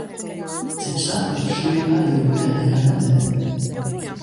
Cik sapratu šī arī ir pēdējā nedēļa.